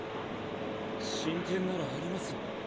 進展ならありますよ。